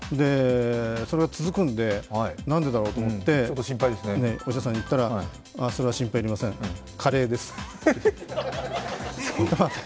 それが続くんで、なんでだろうと思って、お医者さんに行ったらそれは心配要りません、加齢ですって。